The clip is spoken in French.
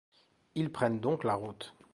Ils prennent donc la route.